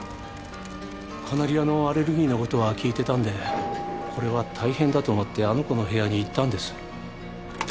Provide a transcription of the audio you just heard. カナリアのアレルギーの事は聞いてたんでこれは大変だと思ってあの子の部屋に行ったんです。